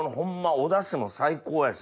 おダシも最高やし。